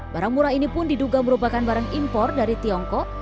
barang murah ini pun diduga merupakan barang impor dari tiongkok